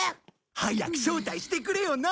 早く招待してくれよな！